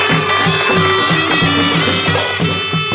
มีชื่อว่าโนราตัวอ่อนครับ